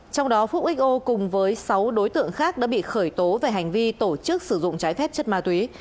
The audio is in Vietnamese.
trong đó phúc xo cùng với sáu đối tượng khác đã bị khởi tố về hành vi tổ chức sử dụng trái phép chất ma túy